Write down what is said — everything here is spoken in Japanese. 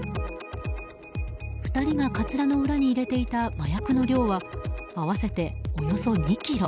２人がカツラの裏に入れていた麻薬の量は合わせておよそ２ｋｇ。